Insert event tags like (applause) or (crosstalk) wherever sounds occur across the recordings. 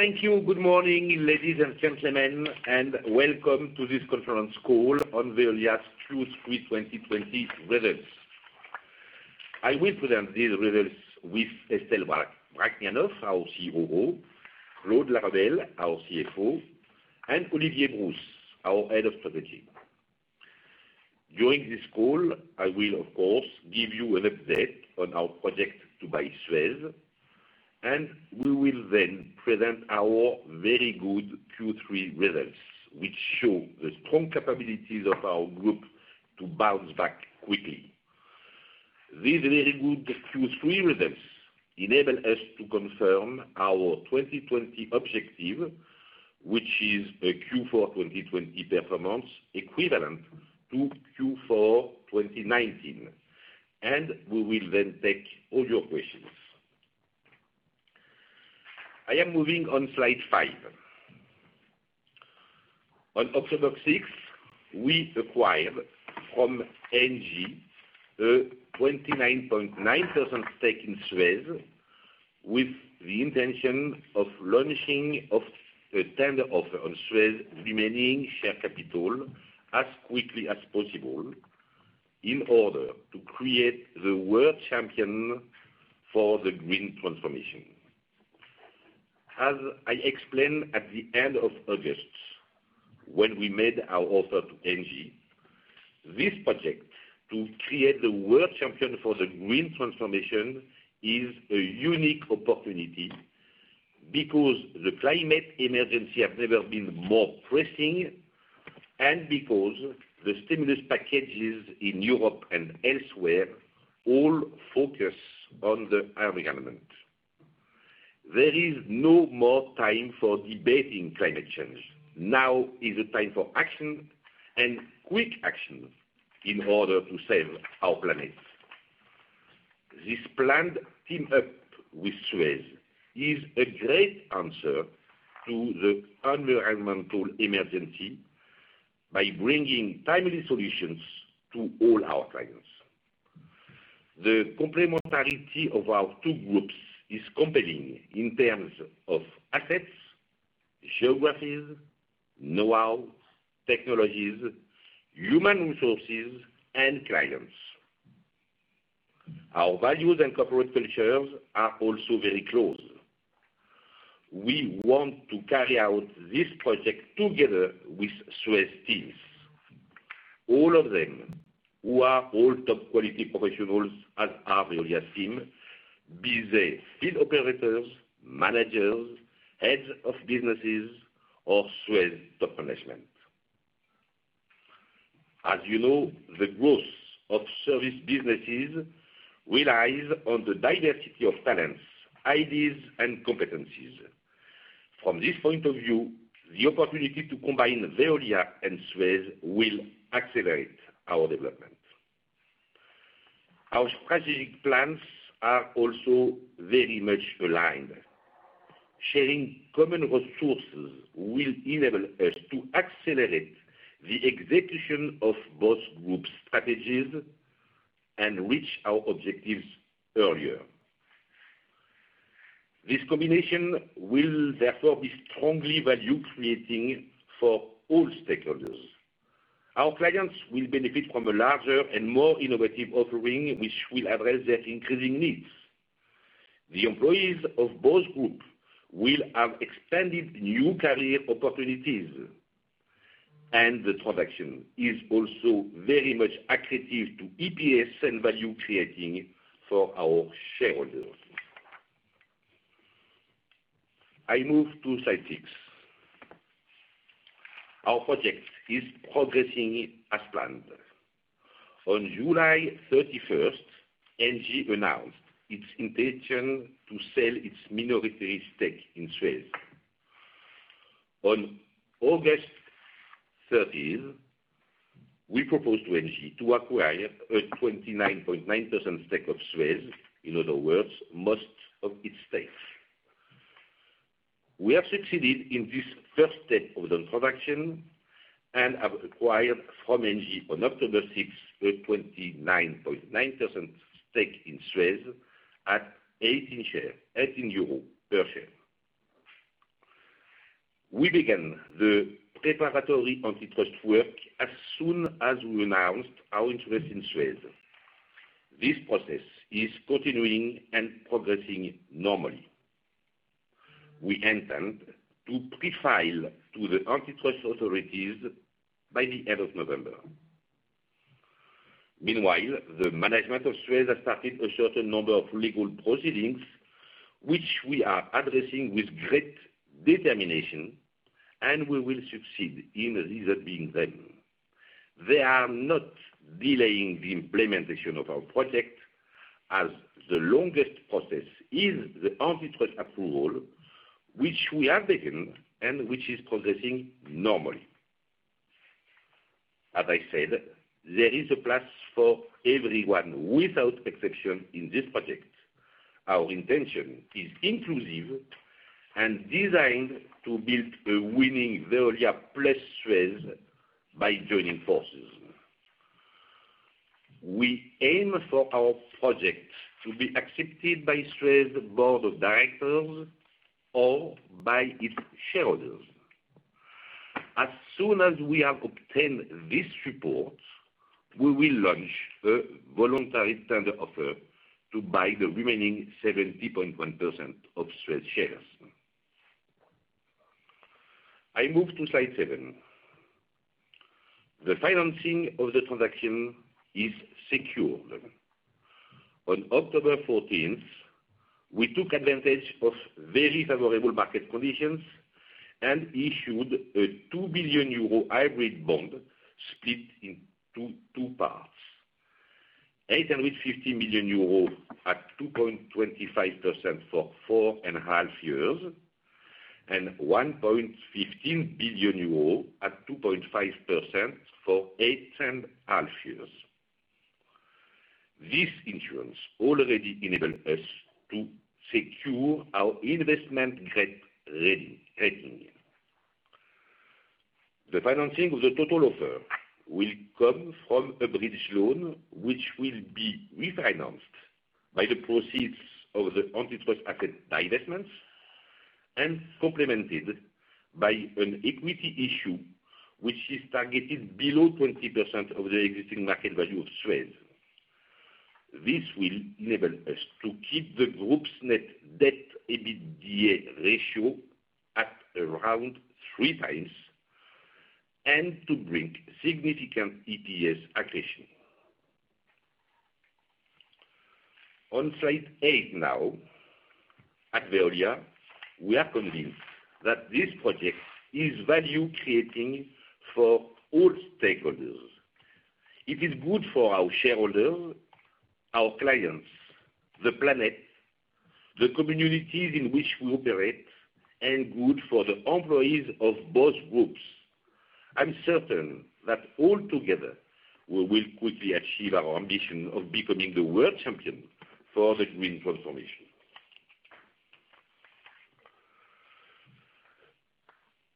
Thank you. Good morning, ladies and gentlemen, and welcome to this conference call on Veolia's Q3 2020 results. I will present these results with Estelle Brachlianoff, our COO, Claude Laruelle, our CFO, and Olivier Brousse, our head of strategy. During this call, I will, of course, give you an update on our project to buy Suez. We will then present our very good Q3 results, which show the strong capabilities of our group to bounce back quickly. These very good Q3 results enable us to confirm our 2020 objective, which is a Q4 2020 performance equivalent to Q4 2019. We will then take all your questions. I am moving on slide five. On October 6th, we acquired from Engie a 29.9% stake in Suez with the intention of launching a tender offer on Suez remaining share capital as quickly as possible in order to create the world champion for the green transformation. As I explained at the end of August, when we made our offer to Engie, this project to create the world champion for the green transformation is a unique opportunity because the climate emergency has never been more pressing and because the stimulus packages in Europe and elsewhere all focus on the environment. There is no more time for debating climate change. Now is the time for action, and quick action, in order to save our planet. This planned team up with Suez is a great answer to the environmental emergency by bringing timely solutions to all our clients. The complementarity of our two groups is compelling in terms of assets, geographies, knowhow, technologies, human resources, and clients. Our values and corporate cultures are also very close. We want to carry out this project together with Suez teams, all of them who are all top quality professionals as are Veolia team, be they field operators, managers, heads of businesses, or Suez top management. As you know, the growth of service businesses relies on the diversity of talents, ideas, and competencies. From this point of view, the opportunity to combine Veolia and Suez will accelerate our development. Our strategic plans are also very much aligned. Sharing common resources will enable us to accelerate the execution of both group strategies and reach our objectives earlier. This combination will therefore be strongly value-creating for all stakeholders. Our clients will benefit from a larger and more innovative offering, which will address their increasing needs. (inaudible) The transaction is also very much accretive to EPS and value-creating for our shareholders. I move to slide six. Our project is progressing as planned. On July 31, Engie announced its intention to sell its minority stake in Suez. On August 30, we proposed to Engie to acquire a 29.9% stake of Suez. In other words, most of its stake. We have succeeded in this first step of the transaction and have acquired from Engie on October 6th, a 29.9% stake in Suez at 18 per share. We began the preparatory antitrust work as soon as we announced our interest in Suez. This process is continuing and progressing normally. We intend to pre-file to the antitrust authorities by the end of November. Meanwhile, the management of Suez has started a certain number of legal proceedings, which we are addressing with great determination, and we will succeed in these being done. They are not delaying the implementation of our project as the longest process is the antitrust approval, which we have begun and which is progressing normally. As I said, there is a place for everyone, without exception, in this project. Our intention is inclusive and designed to build a winning Veolia plus Suez by joining forces. We aim for our project to be accepted by Suez board of directors or by its shareholders. As soon as we have obtained this report, we will launch a voluntary tender offer to buy the remaining 70.1% of Suez shares. I move to slide seven. The financing of the transaction is secured. On October 14th, we took advantage of very favorable market conditions and issued a 2 billion euro hybrid bond split into two parts, 850 million euro at 2.25% for four and a half years, and 1.15 billion euro at 2.5% for eight and a half years. This issuance already enabled us to secure our investment grade rating. The financing of the total offer will come from a bridge loan, which will be refinanced by the proceeds of the antitrust asset divestments and complemented by an equity issue, which is targeted below 20% of the existing market value of Suez. This will enable us to keep the group's net debt EBITDA ratio at around three times and to bring significant EPS accretion. On slide eight now. At Veolia, we are convinced that this project is value-creating for all stakeholders. It is good for our shareholders, our clients, the planet, the communities in which we operate, and good for the employees of both groups. I am certain that all together we will quickly achieve our ambition of becoming the world champion for the green transformation.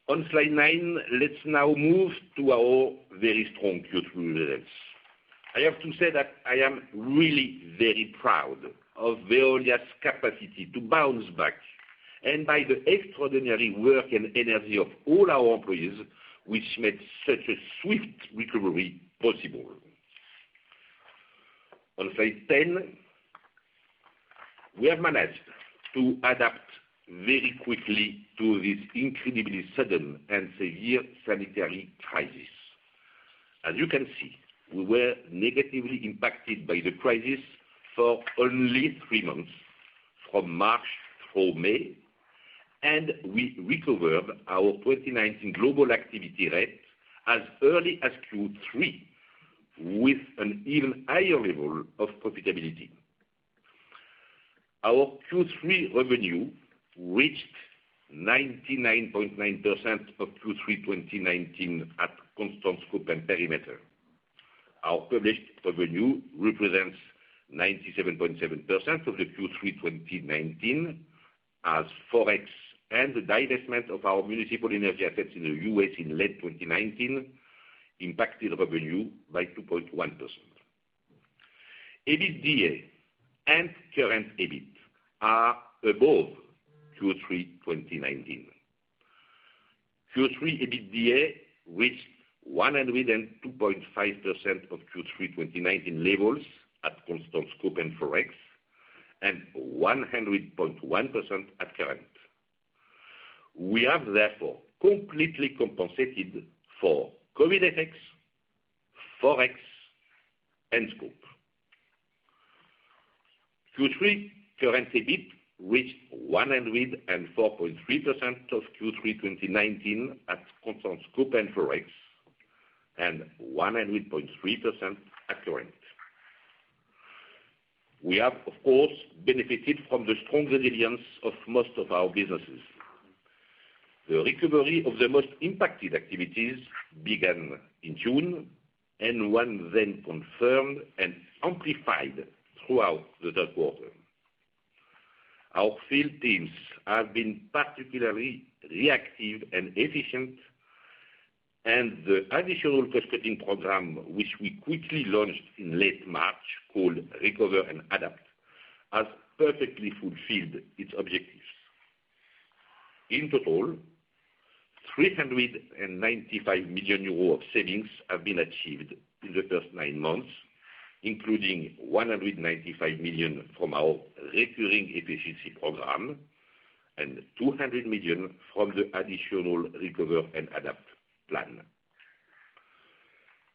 On slide nine, let's now move to our very strong Q3 results. I have to say that I am really very proud of Veolia's capacity to bounce back and by the extraordinary work and energy of all our employees, which made such a swift recovery possible. On slide 10, we have managed to adapt very quickly to this incredibly sudden and severe sanitary crisis. As you can see, we were negatively impacted by the crisis for only three months, from March through May, and we recovered our 2019 global activity rate as early as Q3 with an even higher level of profitability. Our Q3 revenue reached 99.9% of Q3 2019 at constant scope and perimeter. Our published revenue represents 97.7% of the Q3 2019, as Forex and the divestment of our municipal energy assets in the U.S. in late 2019 impacted revenue by 2.1%. EBITDA and current EBIT are above Q3 2019. Q3 EBITDA reached 102.5% of Q3 2019 levels at constant scope and Forex, and 100.1% at current. We have, therefore, completely compensated for COVID effects, Forex, and scope. Q3 current EBIT reached 104.3% of Q3 2019 at constant scope and Forex, and 100.3% at current. We have, of course, benefited from the strong resilience of most of our businesses. The recovery of the most impacted activities began in June and was then confirmed and amplified throughout the third quarter. Our field teams have been particularly reactive and efficient. The additional cost-cutting program, which we quickly launched in late March, called Recover & Adapt, has perfectly fulfilled its objectives. In total, 395 million euros of savings have been achieved in the first nine months, including 195 million from our recurring efficiency program and 200 million from the additional Recover & Adapt plan.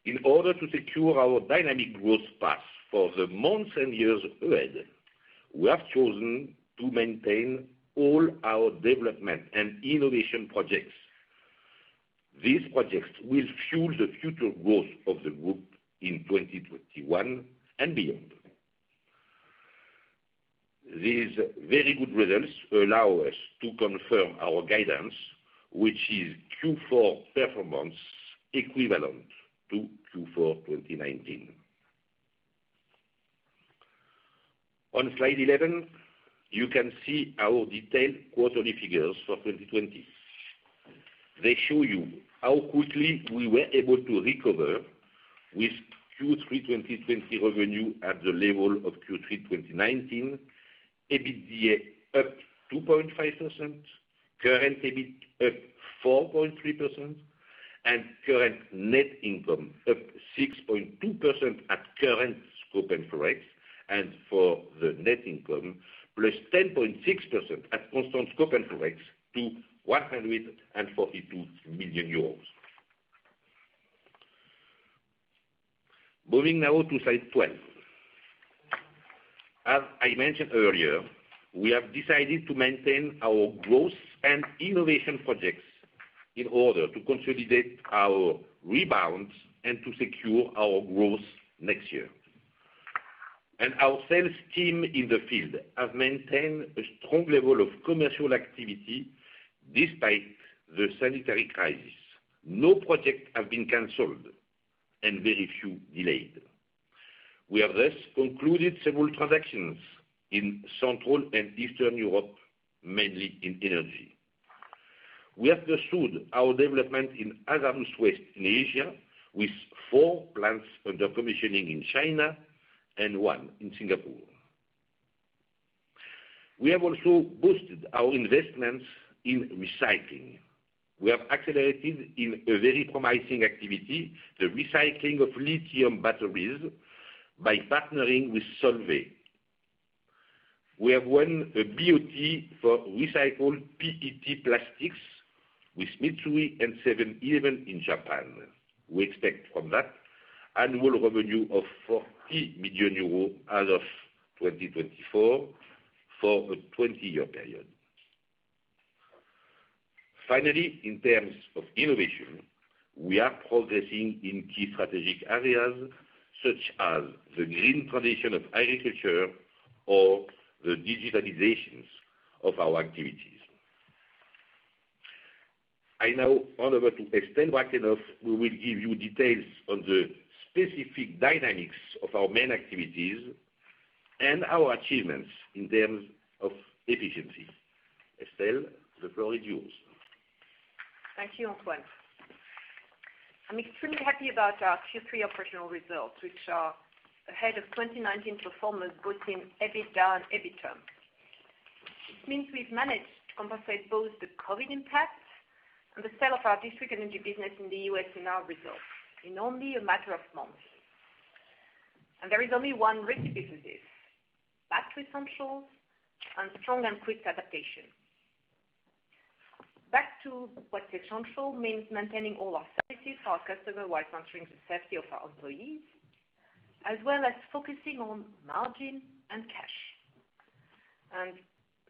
In order to secure our dynamic growth path for the months and years ahead, we have chosen to maintain all our development and innovation projects. These projects will fuel the future growth of the group in 2021 and beyond. These very good results allow us to confirm our guidance, which is Q4 performance equivalent to Q4 2019. On slide 11, you can see our detailed quarterly figures for 2020. They show you how quickly we were able to recover with Q3 2020 revenue at the level of Q3 2019, EBITDA up 2.5%, current EBIT up 4.3%, and current net income up 6.2% at current scope and ForEx. For the net income, +10.6% at constant scope and ForEx to 142 million euros. Moving now to slide 12. As I mentioned earlier, we have decided to maintain our growth and innovation projects in order to consolidate our rebounds and to secure our growth next year. Our sales team in the field have maintained a strong level of commercial activity despite the sanitary crisis. No project has been cancelled and very few delayed. We have thus concluded several transactions in Central and Eastern Europe, mainly in energy. We have pursued our development in hazardous waste in Asia, with four plants under commissioning in China and one in Singapore. We have also boosted our investments in recycling. We have accelerated in a very promising activity, the recycling of lithium batteries, by partnering with Solvay. We have won a BOT for recycled PET plastics with Mitsui and 7-Eleven in Japan. We expect from that annual revenue of 40 million euros as of 2024 for a 20-year period. Finally, in terms of innovation, we are progressing in key strategic areas such as the green transition of agriculture or the digitalizations of our activities. I now hand over to Estelle Brachlianoff, who will give you details on the specific dynamics of our main activities and our achievements in terms of efficiency. Estelle, the floor is yours. Thank you, Antoine. I'm extremely happy about our Q3 operational results, which are ahead of 2019 performance, both in EBITDA and EBITA. It means we've managed to compensate both the COVID impact and the sale of our district energy business in the U.S. in our results in only a matter of months. There is only one recipe for this, back to essentials and strong and quick adaptation. Back to what's essential means maintaining all our services for our customer while ensuring the safety of our employees, as well as focusing on margin and cash.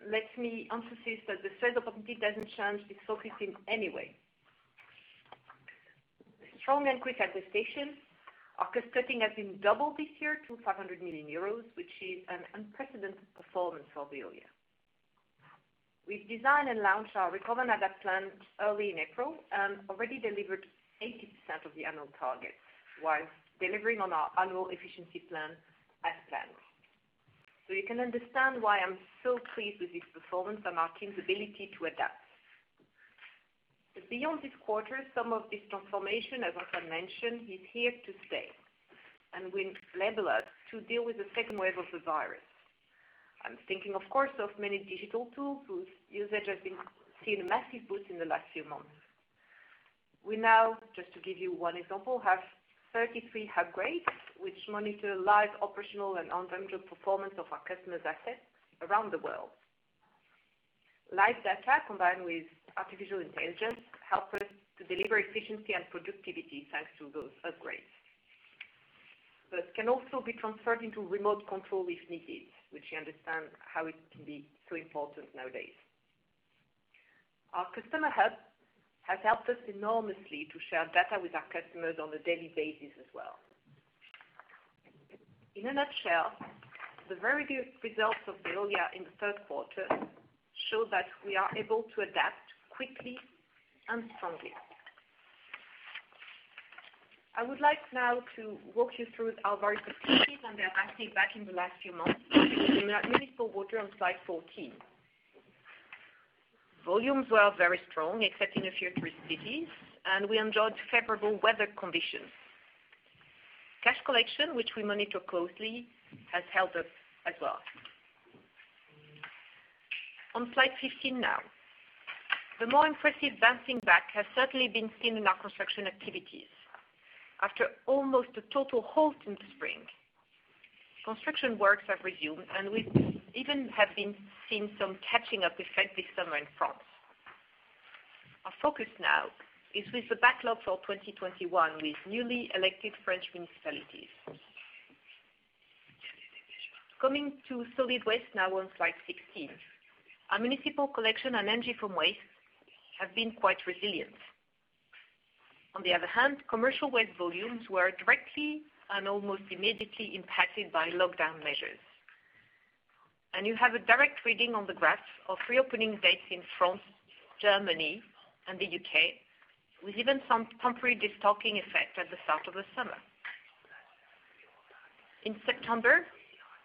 Let me emphasize that the sales opportunity doesn't change this focusing in any way. The strong and quick adaptation, our cost-cutting has been doubled this year to 500 million euros, which is an unprecedented performance for Veolia. We've designed and launched our Recover & Adapt plan early in April and already delivered 80% of the annual target while delivering on our annual efficiency plan as planned. You can understand why I'm so pleased with this performance and our team's ability to adapt. Beyond this quarter, some of this transformation, as Antoine mentioned, is here to stay and will enable us to deal with the second wave of the virus. I'm thinking, of course, of many digital tools whose usage has seen a massive boost in the last few months. We now, just to give you one example, have 33 Hubgrades, which monitor live operational and on-premise performance of our customer's assets around the world. Live data combined with artificial intelligence help us to deliver efficiency and productivity, thanks to those Hubgrades. It can also be converted into remote control if needed, which you understand how it can be so important nowadays. Our Customer Hub has helped us enormously to share data with our customers on a daily basis as well. In a nutshell, the very good results of Veolia in the third quarter show that we are able to adapt quickly and strongly. I would like now to walk you through our various activities and their bouncing back in the last few months, beginning at municipal water on slide 14. Volumes were very strong, except in a few tourist cities, and we enjoyed favourable weather conditions. Cash collection, which we monitor closely, has held up as well. On slide 15 now. The more impressive bouncing back has certainly been seen in our construction activities. After almost a total halt in the spring, construction works have resumed, and we even have seen some catching up effect this summer in France. Our focus now is with the backlog for 2021 with newly elected French municipalities. Coming to solid waste now on slide 16. Our municipal collection and energy from waste have been quite resilient. On the other hand, commercial waste volumes were directly and almost immediately impacted by lockdown measures. You have a direct reading on the graph of reopening dates in France, Germany, and the U.K. with even some temporary destocking effect at the start of the summer. In September,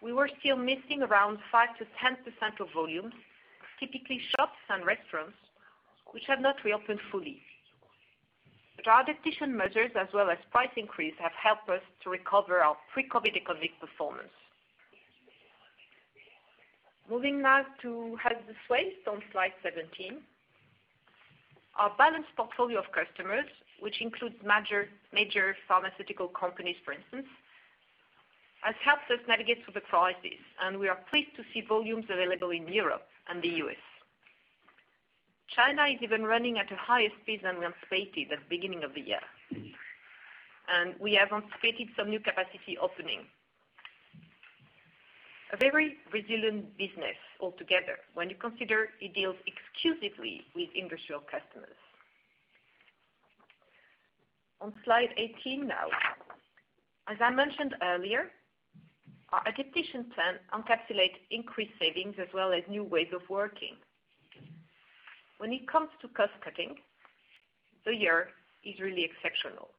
we were still missing around 5%-10% of volumes, typically shops and restaurants, which have not reopened fully. Our adaptation measures as well as price increase have helped us to recover our pre-COVID economic performance. Moving now to hazardous waste on slide 17. Our balanced portfolio of customers, which includes major pharmaceutical companies, for instance, has helped us navigate through the crisis, and we are pleased to see volumes available in Europe and the U.S. China is even running at a higher speed than we anticipated at the beginning of the year, and we have anticipated some new capacity opening. A very resilient business altogether when you consider it deals exclusively with industrial customers. On slide 18 now. As I mentioned earlier, our adaptation plan encapsulates increased savings as well as new ways of working. When it comes to cost-cutting, the year is really exceptional.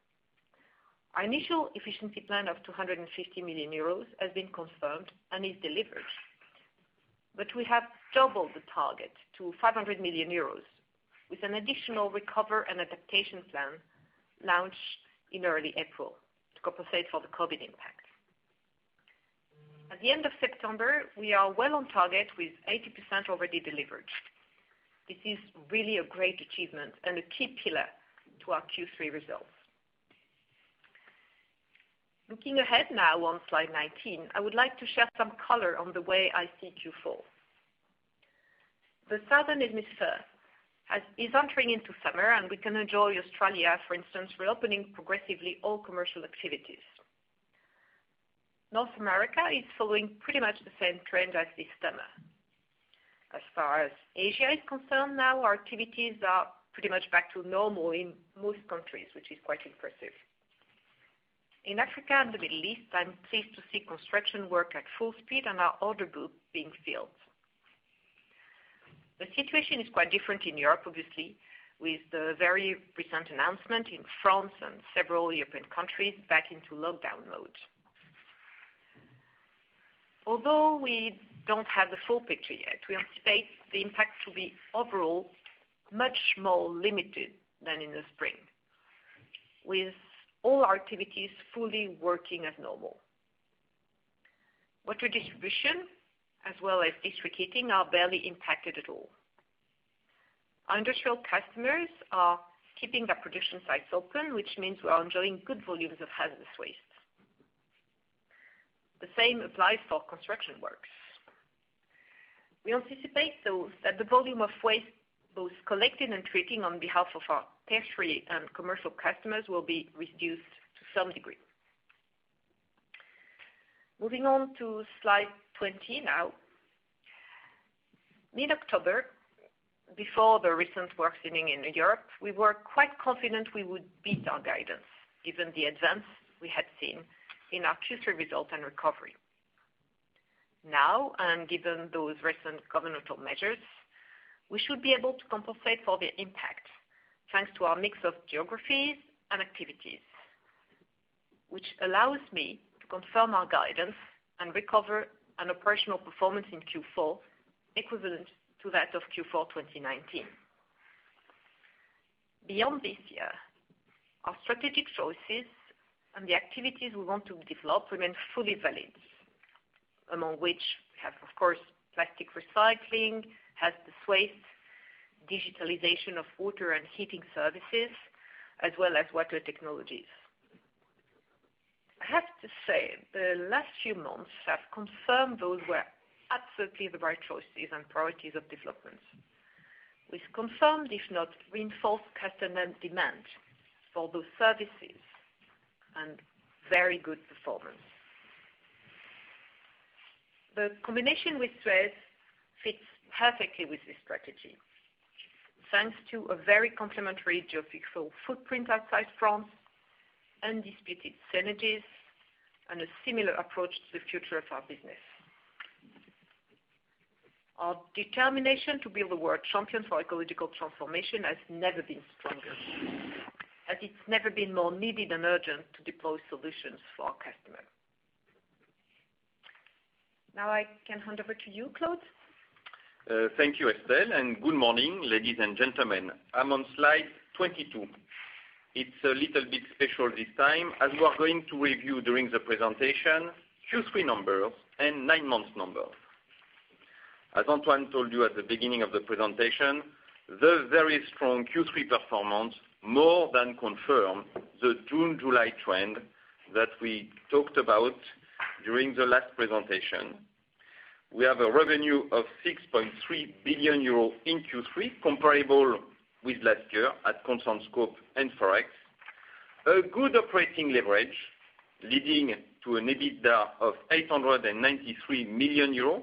Our initial efficiency plan of 250 million euros has been confirmed and is delivered. We have doubled the target to 500 million euros with an additional Recover & Adapt plan launched in early April to compensate for the COVID impact. At the end of September, we are well on target with 80% already delivered. This is really a great achievement and a key pillar to our Q3 results. Looking ahead now on slide 19, I would like to share some color on the way I see Q4. The Southern Hemisphere is entering into summer. We can enjoy Australia, for instance, reopening progressively all commercial activities. North America is following pretty much the same trend as this summer. As far as Asia is concerned now, our activities are pretty much back to normal in most countries, which is quite impressive. In Africa and the Middle East, I'm pleased to see construction work at full speed and our order book being filled. The situation is quite different in Europe, obviously, with the very recent announcement in France and several European countries back into lockdown mode. Although we don't have the full picture yet, we anticipate the impact to be overall much more limited than in the spring, with all activities fully working as normal. Water distribution as well as district heating are barely impacted at all. Industrial customers are keeping their production sites open, which means we are enjoying good volumes of hazardous waste. The same applies for construction works. We anticipate, though, that the volume of waste, both collected and treating on behalf of our tertiary and commercial customers, will be reduced to some degree. Moving on to slide 20 now. Mid-October, before the recent worsening in Europe, we were quite confident we would beat our guidance given the advance we had seen in our Q3 results and recovery. Now, given those recent governmental measures, we should be able to compensate for the impact thanks to our mix of geographies and activities, which allows me to confirm our guidance and recover an operational performance in Q4 equivalent to that of Q4 2019. Beyond this year, our strategic choices and the activities we want to develop remain fully valid. Among which we have, of course, plastic recycling, hazardous waste, digitalization of water and heating services, as well as water technologies. I have to say, the last few months have confirmed those were absolutely the right choices and priorities of developments. With confirmed, if not reinforced, customer demand for those services and very good performance. The combination with Suez fits perfectly with this strategy, thanks to a very complementary geographical footprint outside France, undisputed synergies, and a similar approach to the future of our business. Our determination to build a world champion for ecological transformation has never been stronger, as it's never been more needed and urgent to deploy solutions for our customers. Now I can hand over to you, Claude. Thank you, Estelle, good morning, ladies and gentlemen. I'm on slide 22. It's a little bit special this time as we are going to review during the presentation Q3 numbers and nine months numbers. As Antoine told you at the beginning of the presentation, the very strong Q3 performance more than confirmed the June, July trend that we talked about during the last presentation. We have a revenue of 6.3 billion euros in Q3, comparable with last year at constant scope and ForEx. A good operating leverage leading to an EBITDA of 893 million euros,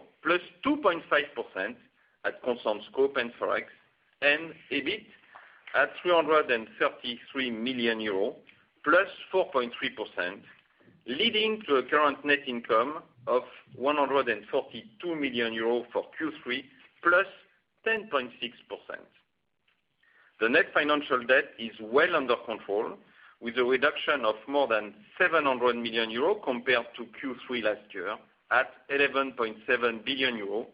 +2.5% at constant scope and ForEx, and EBIT at 333 million euros, +4.3%. Leading to a current net income of 142 million euros for Q3, +10.6%. The net financial debt is well under control, with a reduction of more than 700 million euros compared to Q3 last year, at 11.7 billion euros,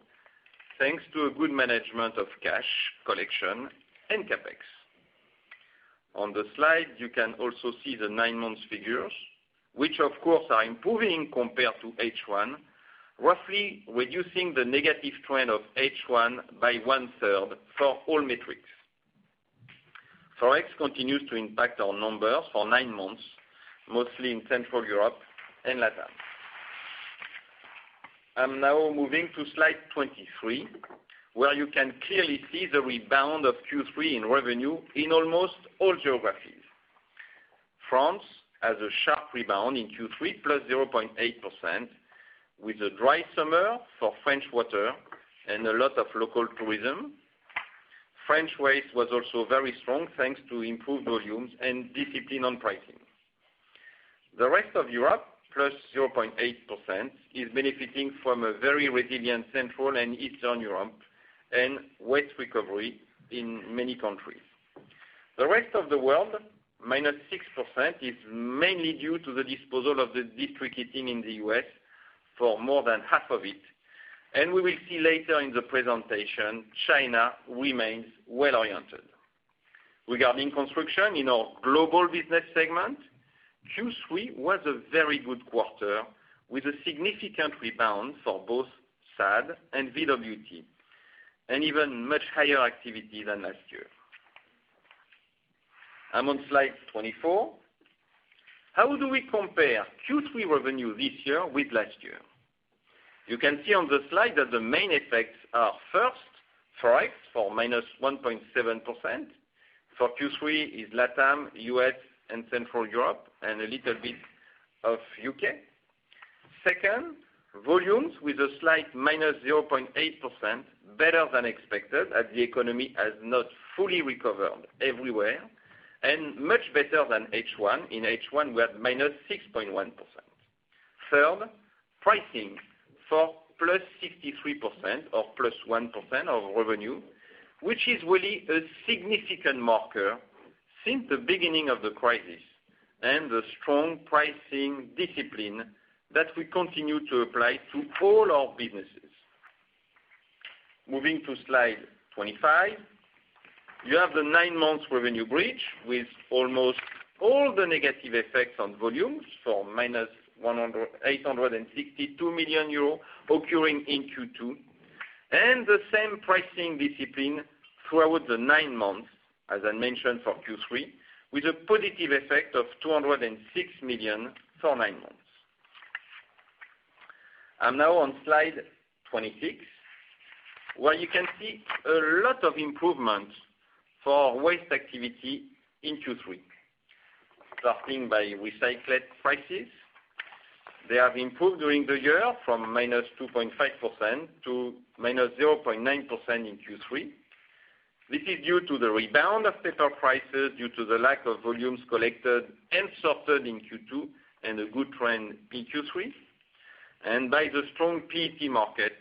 thanks to a good management of cash, collection, and CapEx. On the slide, you can also see the nine months figures, which of course are improving compared to H1, roughly reducing the negative trend of H1 by one-third for all metrics. Forex continues to impact our numbers for nine months, mostly in Central Europe and Latin. I'm now moving to slide 23, where you can clearly see the rebound of Q3 in revenue in almost all geographies. France has a sharp rebound in Q3, +0.8%, with a dry summer for French water and a lot of local tourism. French waste was also very strong, thanks to improved volumes and discipline on pricing. The rest of Europe, +0.8%, is benefiting from a very resilient Central and Eastern Europe and waste recovery in many countries. The rest of the world, -6%, is mainly due to the disposal of the district heating in the U.S. for more than half of it. We will see later in the presentation, China remains well-oriented. Regarding construction in our global business segment, Q3 was a very good quarter, with a significant rebound for both SADE and VWT, and even much higher activity than last year. I'm on slide 24. How do we compare Q3 revenue this year with last year? You can see on the slide that the main effects are, first, ForEx for -1.7%. For Q3 is LATAM, U.S., and Central Europe, and a little bit of U.K. Second, volumes with a slight -0.8%, better than expected as the economy has not fully recovered everywhere, and much better than H1. In H1, we had -6.1%. Third, pricing for +63% or +1% of revenue, which is really a significant marker since the beginning of the crisis, and the strong pricing discipline that we continue to apply to all our businesses. Moving to slide 25. You have the nine months revenue bridge with almost all the negative effects on volumes, for -862 million euros occurring in Q2, and the same pricing discipline throughout the nine months, as I mentioned for Q3, with a positive effect of 206 million for nine months. I'm now on slide 26, where you can see a lot of improvements for waste activity in Q3. Starting by recycled prices, they have improved during the year from -2.5% to -0.9% in Q3. This is due to the rebound of petrol prices due to the lack of volumes collected and sorted in Q2, and a good trend in Q3, and by the strong PET market,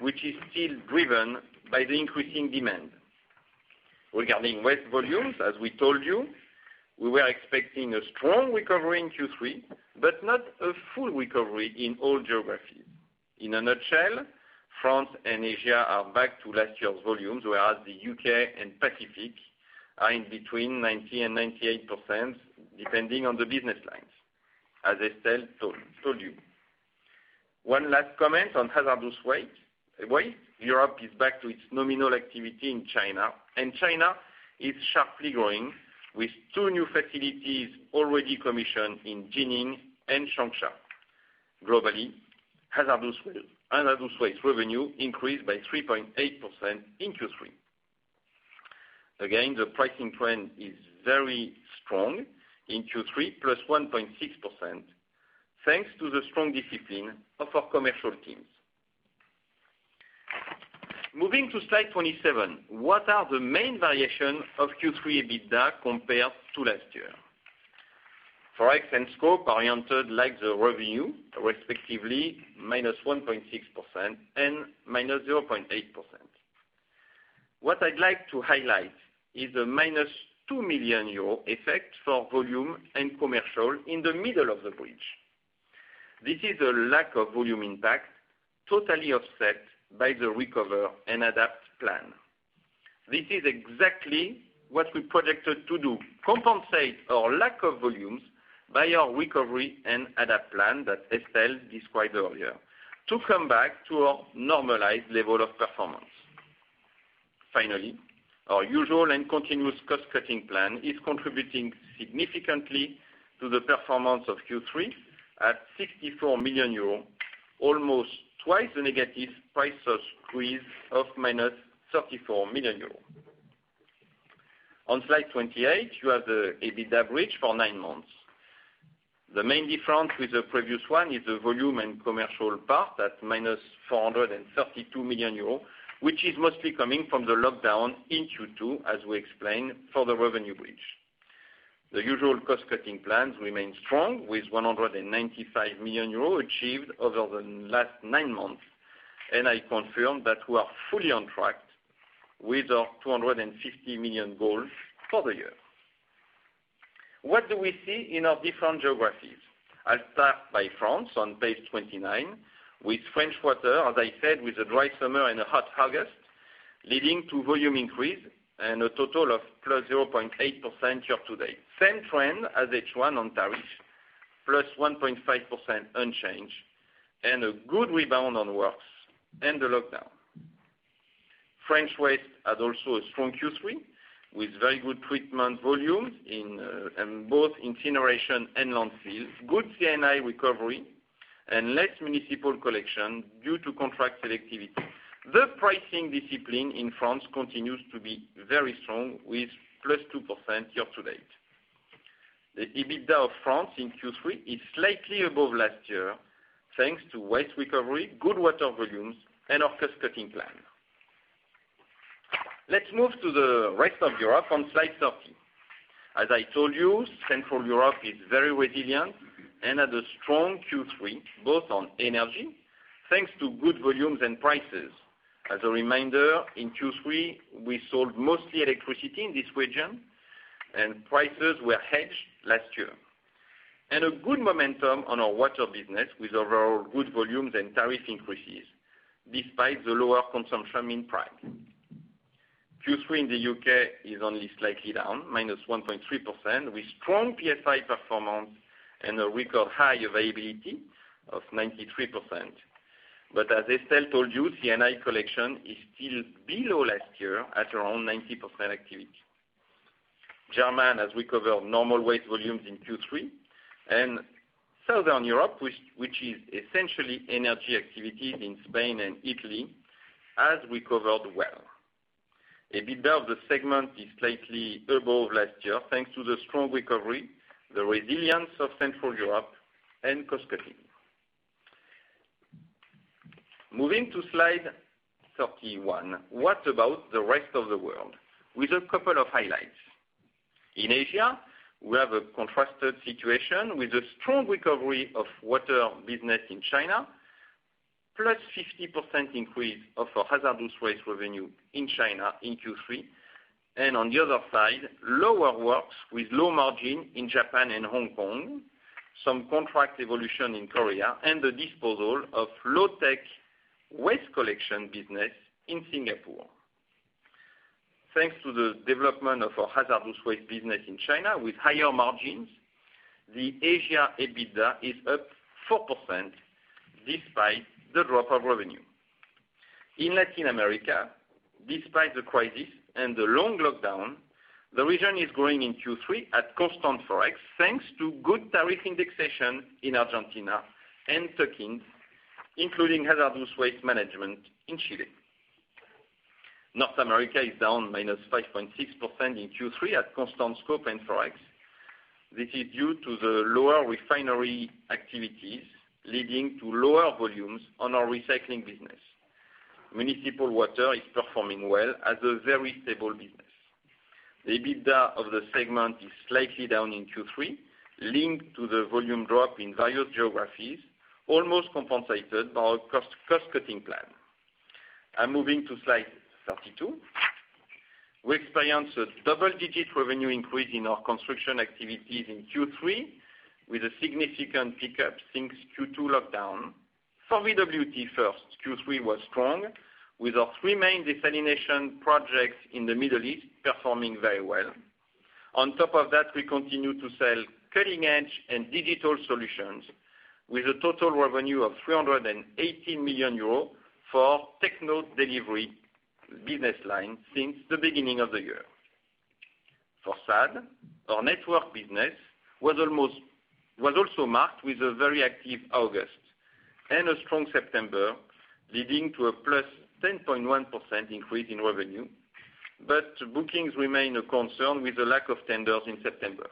which is still driven by the increasing demand. Regarding waste volumes, as we told you, we were expecting a strong recovery in Q3, but not a full recovery in all geographies. In a nutshell, France and Asia are back to last year's volumes, whereas the U.K. and Pacific are in between 90%-98%, depending on the business lines, as Estelle told you. One last comment on hazardous waste. Europe is back to its nominal activity in China, and China is sharply growing, with two new facilities already commissioned in Jining and Changsha. Globally, hazardous waste revenue increased by 3.8% in Q3. The pricing trend is very strong in Q3, plus 1.6%, thanks to the strong discipline of our commercial teams. Moving to slide 27. What are the main variation of Q3 EBITDA compared to last year? Forex and scope are entered like the revenue, respectively -1.6% and -0.8%. What I'd like to highlight is a -2 million euro effect for volume and commercial in the middle of the bridge. This is a lack of volume impact, totally offset by the Recover & Adapt plan. This is exactly what we projected to do, compensate our lack of volumes by our Recover & Adapt plan that Estelle described earlier, to come back to our normalized level of performance. Finally, our usual and continuous cost-cutting plan is contributing significantly to the performance of Q3 at 64 million euro, almost twice the negative price squeeze of -34 million euro. On slide 28, you have the EBITDA bridge for nine months. The main difference with the previous one is the volume and commercial part at -432 million euros, which is mostly coming from the lockdown in Q2, as we explained, for the revenue bridge. The usual cost-cutting plans remain strong, with 195 million euros achieved over the last nine months. I confirm that we are fully on track with our 250 million goals for the year. What do we see in our different geographies? I'll start by France on Page 29, with French Water, as I said, with a dry summer and a hot August, leading to volume increase and a total of +0.8% year-to-date. Same trend as H1 on tariff, plus 1.5% unchanged, and a good rebound on works and the lockdown. French Waste has also a strong Q3, with very good treatment volumes in both incineration and landfill, good C&I recovery, and less municipal collection due to contract selectivity. The pricing discipline in France continues to be very strong with +2% year-to-date. The EBITDA of France in Q3 is slightly above last year, thanks to waste recovery, good water volumes, and our cost-cutting plan. Let's move to the rest of Europe on Slide 30. As I told you, Central Europe is very resilient and had a strong Q3, both on energy, thanks to good volumes and prices. As a reminder, in Q3, we sold mostly electricity in this region, and prices were hedged last year. A good momentum on our water business with overall good volumes and tariff increases despite the lower consumption in Prague. Q3 in the U.K. is only slightly down, -1.3%, with strong PFI performance and a record high availability of 93%. As Estelle told you, C&I collection is still below last year at around 90% activity. Germany has recovered normal waste volumes in Q3, and Southern Europe, which is essentially energy activities in Spain and Italy, has recovered well. EBITDA of the segment is slightly above last year, thanks to the strong recovery, the resilience of Central Europe, and cost-cutting. Moving to Slide 31. What about the rest of the world? With a couple of highlights. In Asia, we have a contrasted situation with a strong recovery of water business in China, +50% increase of our hazardous waste revenue in China in Q3. On the other side, lower works with low margin in Japan and Hong Kong, some contract evolution in Korea, and the disposal of low-tech waste collection business in Singapore. Thanks to the development of our hazardous waste business in China with higher margins, the Asia EBITDA is up 4% despite the drop of revenue. In Latin America, despite the crisis and the long lockdown, the region is growing in Q3 at constant ForEx, thanks to good tariff indexation in Argentina and Turkey, including hazardous waste management in Chile. North America is down -5.6% in Q3 at constant scope and ForEx. This is due to the lower refinery activities, leading to lower volumes on our recycling business. Municipal water is performing well as a very stable business. The EBITDA of the segment is slightly down in Q3, linked to the volume drop in various geographies, almost compensated by our cost-cutting plan. I'm moving to Slide 32. We experienced a double-digit revenue increase in our construction activities in Q3, with a significant pickup since Q2 lockdown. For Veolia Water Technologies first, Q3 was strong, with our three main desalination projects in the Middle East performing very well. On top of that, we continue to sell cutting-edge and digital solutions with a total revenue of 318 million euros for Technology & Delivery business line since the beginning of the year. For SADE, our network business was also marked with a very active August and a strong September, leading to a +10.1% increase in revenue, but bookings remain a concern with a lack of tenders in September.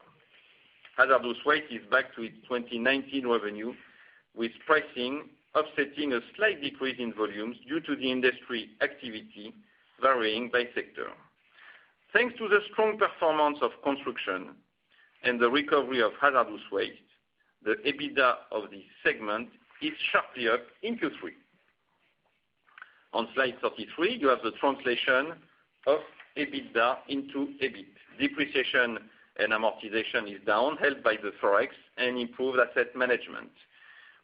Hazardous waste is back to its 2019 revenue, with pricing offsetting a slight decrease in volumes due to the industry activity varying by sector. Thanks to the strong performance of construction and the recovery of hazardous waste, the EBITDA of this segment is sharply up in Q3. On Slide 33, you have the translation of EBITDA into EBIT. Depreciation and amortization is down, helped by the ForEx and improved asset management.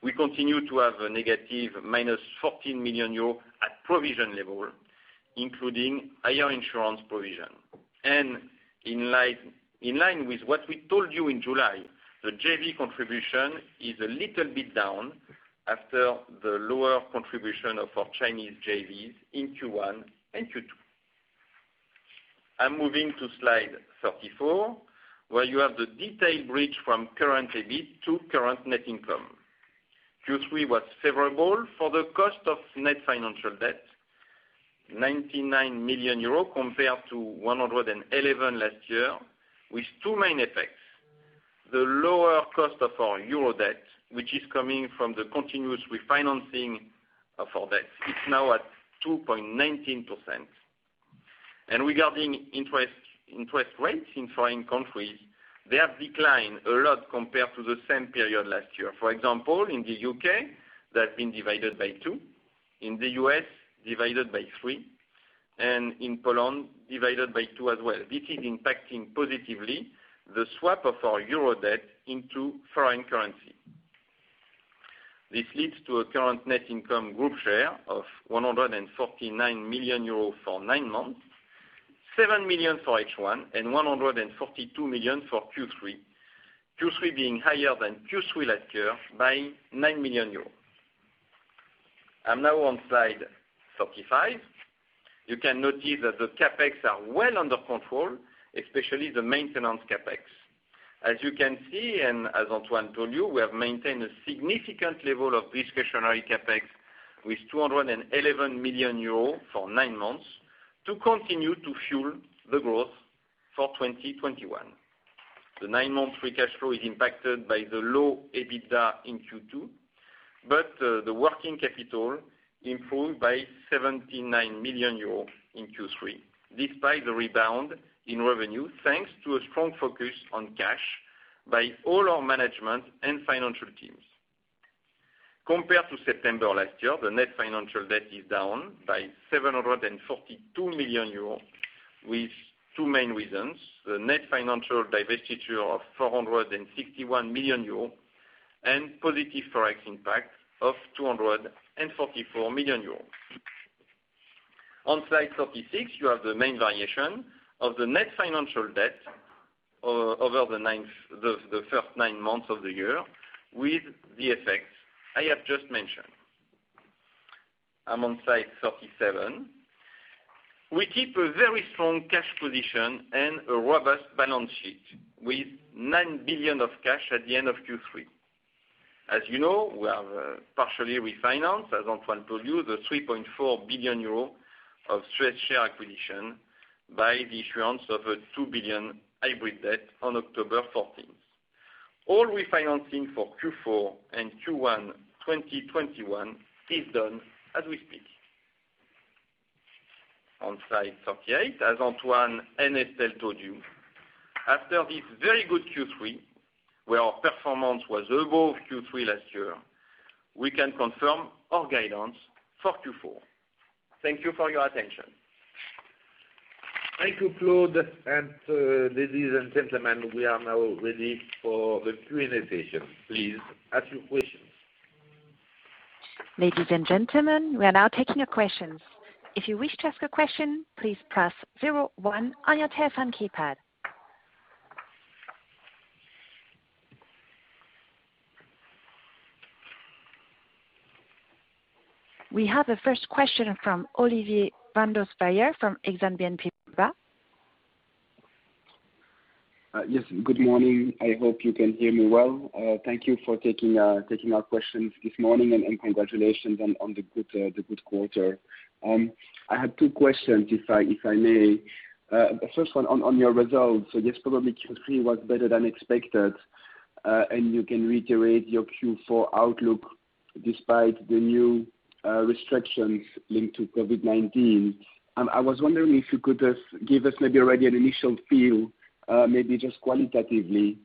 We continue to have a negative -14 million euros at provision level, including higher insurance provision. In line with what we told you in July, the JV contribution is a little bit down after the lower contribution of our Chinese JVs in Q1 and Q2. I'm moving to Slide 34, where you have the detailed bridge from current EBIT to current net income. Q3 was favorable for the cost of net financial debt, 99 million euro compared to 111 last year, with two main effects. The lower cost of our EUR debt, which is coming from the continuous refinancing of our debts, it is now at 2.19%. Regarding interest rates in foreign countries, they have declined a lot compared to the same period last year. For example, in the U.K., they have been divided by two. In the U.S., divided by three, and in Poland, divided by two as well. This is impacting positively the swap of our EUR debt into foreign currency. This leads to a current net income group share of 149 million euros for nine months, 7 million for H1, and 142 million for Q3. Q3 being higher than Q3 last year by 9 million euros. I am now on slide 35. You can notice that the CapEx are well under control, especially the maintenance CapEx. As you can see, and as Antoine told you, we have maintained a significant level of discretionary CapEx with 211 million euros for nine months to continue to fuel the growth for 2021. The nine-month free cash flow is impacted by the low EBITDA in Q2, but the working capital improved by 79 million euros in Q3, despite the rebound in revenue, thanks to a strong focus on cash by all our management and financial teams. Compared to September last year, the net financial debt is down by 742 million euros with two main reasons: the net financial divestiture of 461 million euros and positive ForEx impact of 244 million euros. On slide 36, you have the main variation of the net financial debt over the first nine months of the year with the effects I have just mentioned. I'm on slide 37. We keep a very strong cash position and a robust balance sheet with 9 billion of cash at the end of Q3. As you know, we have partially refinanced, as Antoine told you, the 3.4 billion euro of Suez share acquisition by the issuance of a 2 billion hybrid debt on October 14th. All refinancing for Q4 and Q1 2021 is done as we speak. On slide 38, as Antoine and Estelle told you, after this very good Q3, where our performance was above Q3 last year, we can confirm our guidance for Q4. Thank you for your attention. Thank you, Claude. Ladies and gentlemen, we are now ready for the Q&A session. Please ask your questions. Ladies and gentlemen, we are now taking your questions.if you wish to ask a question please press zero one on your telephone keypad. We have a first question from Olivier Brandes Buye from Exane BNP Paribas. Yes. Good morning. I hope you can hear me well. Thank you for taking our questions this morning, congratulations on the good quarter. I have two questions, if I may. First one on your results. Yes, probably Q3 was better than expected, and you can reiterate your Q4 outlook despite the new restrictions linked to COVID-19. I was wondering if you could give us maybe already an initial feel, maybe just qualitatively,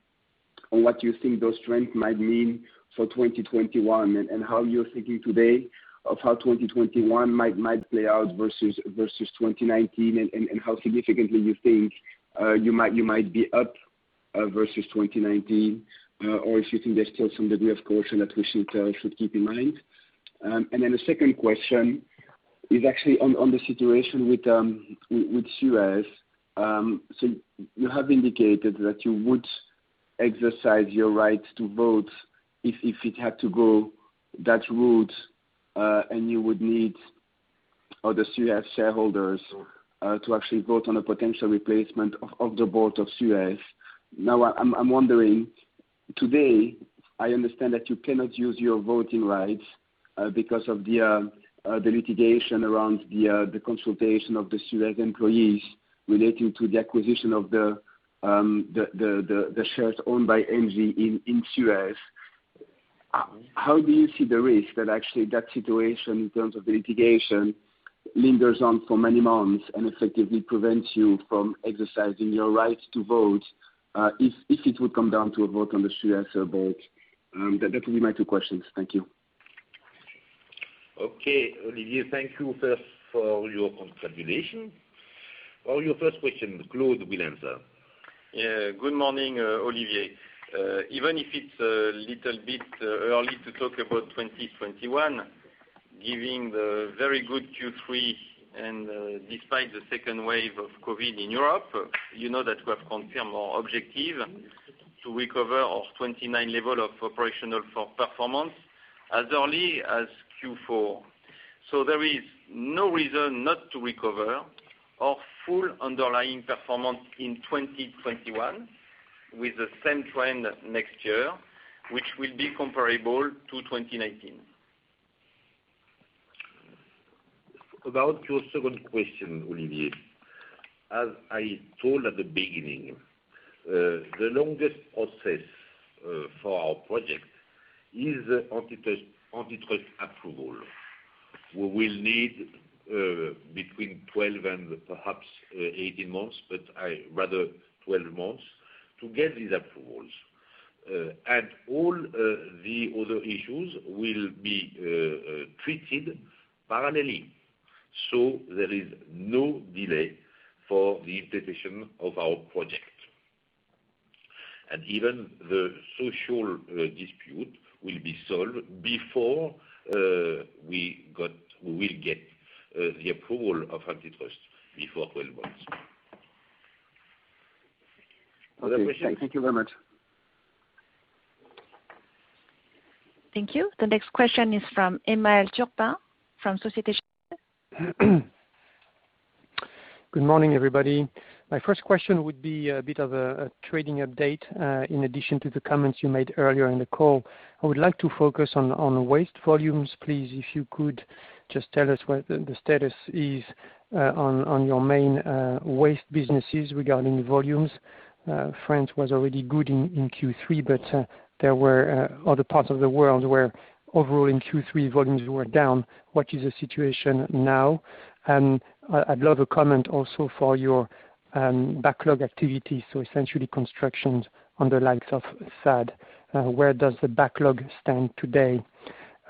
on what you think those trends might mean for 2021 and how you're thinking today of how 2021 might play out versus 2019, and how significantly you think you might be up, versus 2019, or if you think there's still some degree of caution that we should keep in mind. Then the second question is actually on the situation with Suez. You have indicated that you would exercise your right to vote if it had to go that route, and you would need other Suez shareholders to actually vote on a potential replacement of the board of Suez. I'm wondering, today, I understand that you cannot use your voting rights, because of the litigation around the consultation of the Suez employees relating to the acquisition of the shares owned by Engie in Suez. How do you see the risk that actually that situation in terms of the litigation lingers on for many months and effectively prevents you from exercising your right to vote, if it would come down to a vote on the Suez board? That will be my two questions. Thank you. Okay. Olivier, thank you first for your congratulations. For your first question, Claude will answer. Yeah. Good morning, Olivier. Even if it's a little bit early to talk about 2021, given the very good Q3, and, despite the second wave of COVID in Europe, you know that we have confirmed our objective to recover our 2019 level of operational performance as early as Q4. There is no reason not to recover our full underlying performance in 2021 with the same trend next year, which will be comparable to 2019. About your second question, Olivier, as I told at the beginning, the longest process for our project is antitrust approval. We will need between 12 and perhaps 18 months, but rather 12 months to get these approvals. All the other issues will be treated parallelly. There is no delay for the implementation of our project. Even the social dispute will be solved before we will get the approval of antitrust before 12 months. Other questions? Thank you very much. Thank you. The next question is from Emmanuel Turpin, from Societe Generale. Good morning, everybody. My first question would be a bit of a trading update, in addition to the comments you made earlier in the call. I would like to focus on waste volumes. Please, if you could just tell us what the status is on your main waste businesses regarding volumes. France was already good in Q3. There were other parts of the world where overall in Q3 volumes were down. What is the situation now? I'd love a comment also for your backlog activity, so essentially constructions on the likes of SADE. Where does the backlog stand today?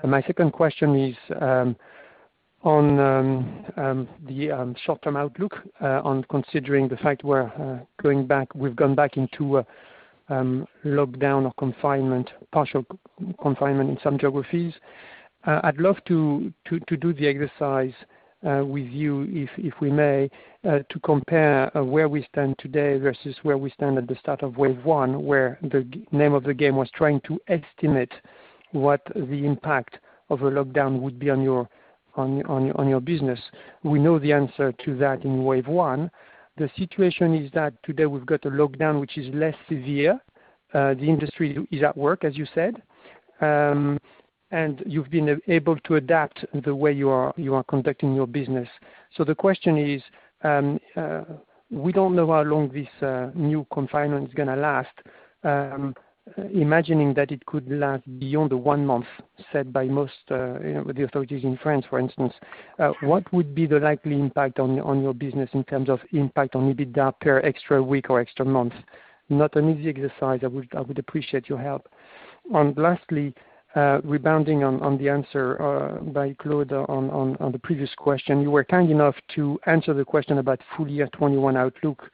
My second question is on the short-term outlook, on considering the fact we've gone back into a lockdown or partial confinement in some geographies. I'd love to do the exercise with you, if we may, to compare where we stand today versus where we stand at the start of wave one, where the name of the game was trying to estimate what the impact of a lockdown would be on your business. We know the answer to that in wave one. The situation is that today we've got a lockdown, which is less severe. The industry is at work, as you said. You've been able to adapt the way you are conducting your business. The question is, we don't know how long this new confinement is going to last. Imagining that it could last beyond the one month set by the authorities in France, for instance, what would be the likely impact on your business in terms of impact on EBITDA per extra week or extra month? Not an easy exercise. I would appreciate your help. Lastly, rebounding on the answer by Claude on the previous question, you were kind enough to answer the question about full year 2021 outlook.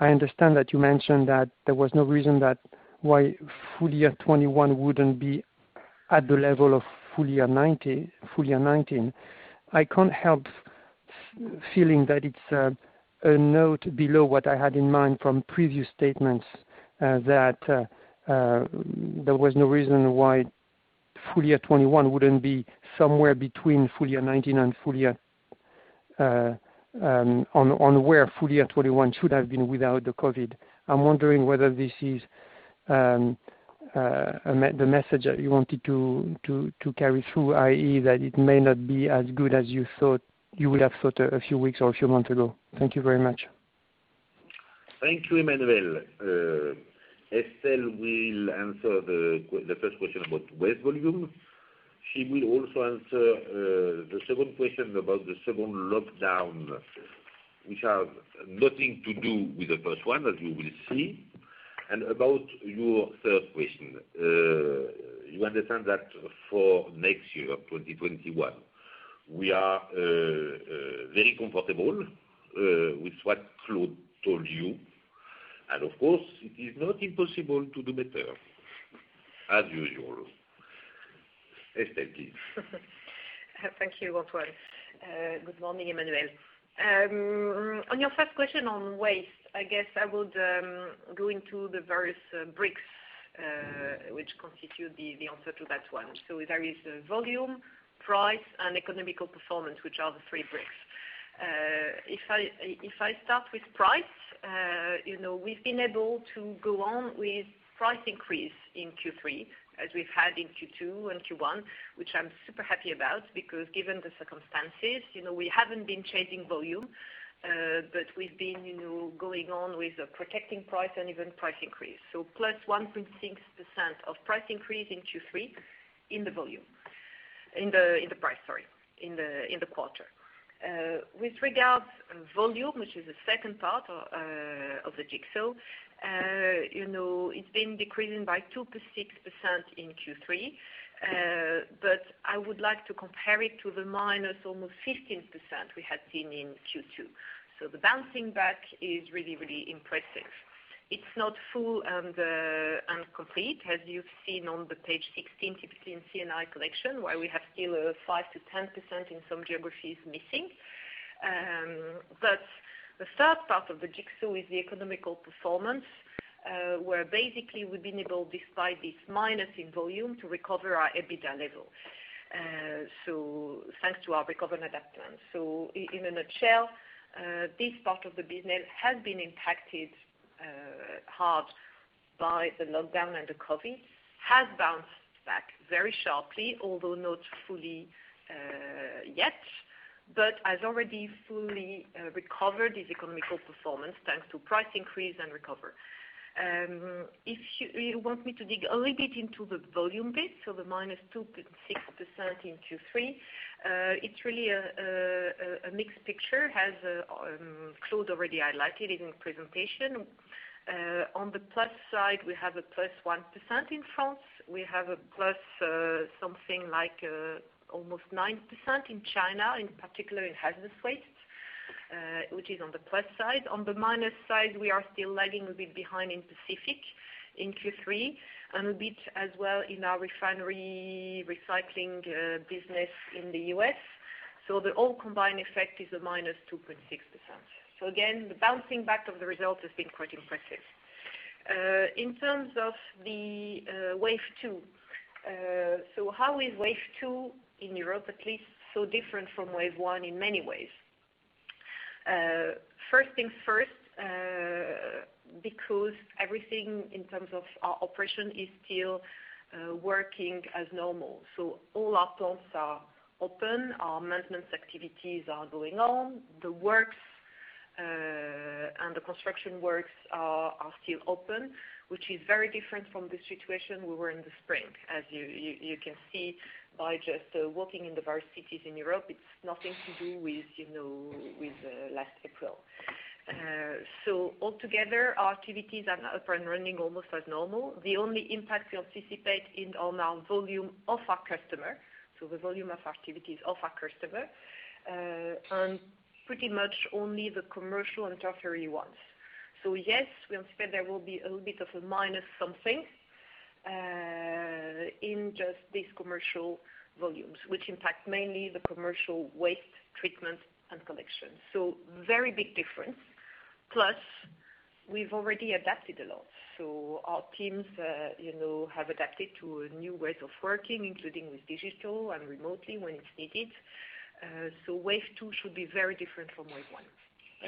I understand that you mentioned that there was no reason why full year 2021 wouldn't be at the level of full year 2019. I can't help feeling that it's a note below what I had in mind from previous statements that there was no reason why full year 2021 wouldn't be somewhere between full year 2019 and where full year 2021 should have been without the COVID. I'm wondering whether this is the message that you wanted to carry through, i.e., that it may not be as good as you would have thought a few weeks or a few months ago. Thank you very much. Thank you, Emmanuel. Estelle will answer the first question about waste volume. She will also answer the second question about the second lockdown, which has nothing to do with the first one, as you will see. About your third question, you understand that for next year, 2021, we are very comfortable with what Claude told you. Of course, it is not impossible to do better, as usual. Estelle, please. Thank you, Antoine. Good morning, Emmanuel. On your first question on waste, I guess I would go into the various bricks, which constitute the answer to that one. There is volume, price, and economical performance, which are the three bricks. If I start with price, we've been able to go on with price increase in Q3, as we've had in Q2 and Q1. Which I'm super happy about because given the circumstances, we haven't been chasing volume, but we've been going on with protecting price and even price increase. +1.6% of price increase in Q3 in the price, in the quarter. With regards volume, which is the second part of the jigsaw, it's been decreasing by 2.6% in Q3, but I would like to compare it to the minus almost 15% we had seen in Q2. The bouncing back is really, really impressive. It's not full and complete, as you've seen on the page 16, typically in C&I collection, where we have still 5%-10% in some geographies missing. The third part of the jigsaw is the economical performance, where basically we've been able, despite this minus in volume, to recover our EBITDA level, thanks to our Recover & Adapt plan. In a nutshell, this part of the business has been impacted hard by the lockdown and the COVID has bounced back very sharply, although not fully yet, but has already fully recovered its economical performance, thanks to price increase and recovery. If you want me to dig a little bit into the volume bit, the -2.6% in Q3, it's really a mixed picture. As Claude already highlighted in his presentation, on the plus side, we have a +1% in France. We have a plus something like almost 9% in China, in particular in hazardous waste, which is on the plus side. On the minus side, we are still lagging a bit behind in Pacific, in Q3, and a bit as well in our refinery recycling business in the U.S. The all-combined effect is a -2.6%. Again, the bouncing back of the result has been quite impressive. In terms of the Wave two, how is Wave two, in Europe at least, different from Wave 1 in many ways? First things first, because everything in terms of our operation is still working as normal. All our plants are open, our maintenance activities are going on. The works and the construction works are still open, which is very different from the situation we were in the spring. As you can see by just walking in the various cities in Europe, it's nothing to do with last April. Altogether, our activities are up and running almost as normal. The only impact we anticipate on our volume of our customer, so the volume of activities of our customer, pretty much only the commercial and tertiary ones. Yes, we anticipate there will be a little bit of a minus something, in just these commercial volumes, which impact mainly the commercial waste treatment and collection. Very big difference. Plus, we've already adapted a lot. Our teams have adapted to new ways of working, including with digital and remotely when it's needed. Wave Two should be very different from Wave One.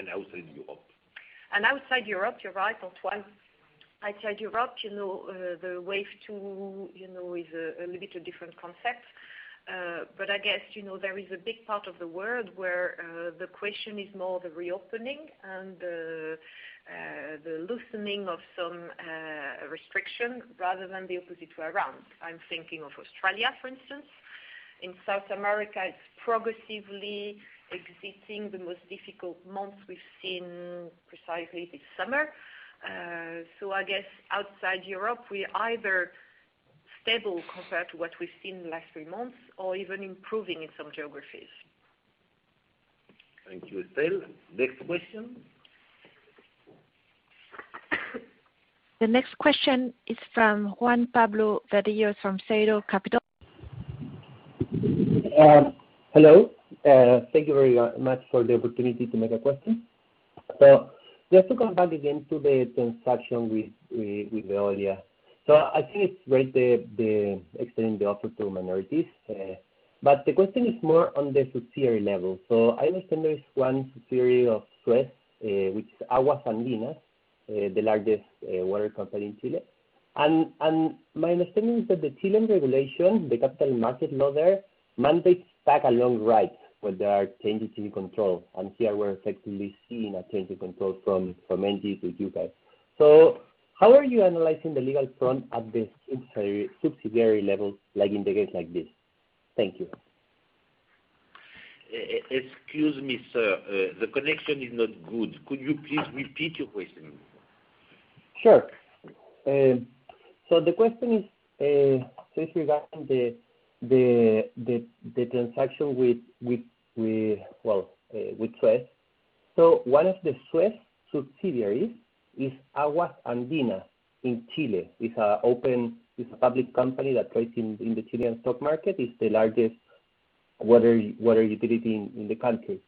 Outside Europe? Outside Europe, you're right. That's why I said Europe, the Wave two is a little bit of different concept. I guess, there is a big part of the world where the question is more the reopening and the loosening of some restriction rather than the opposite way around. I'm thinking of Australia, for instance. In South America, it's progressively exiting the most difficult months we've seen precisely this summer. I guess outside Europe, we either stable compared to what we've seen the last three months or even improving in some geographies. Thank you, Estelle. Next question. The next question is from Juan Pablo Vadillo from Sero Capital. Hello. Thank you very much for the opportunity to make a question. Just to come back again to the transaction with Veolia. I think it's great, extending the offer to minorities. The question is more on the subsidiary level. I understand there is one subsidiary of Suez, which is Aguas Andinas, the largest water company in Chile. My understanding is that the Chilean regulation, the Securities Market Law there, mandates tag-along rights where there are changes in control, and here we're effectively seeing a change of control from Engie to you guys. How are you analyzing the legal front at the subsidiary level, like in the case like this? Thank you. Excuse me, sir. The connection is not good. Could you please repeat your question? Sure. The question is just regarding the transaction with Suez. One of the Suez subsidiaries is Aguas Andinas in Chile. It is a public company that trades in the Chilean stock market. It is the largest water utility in the country.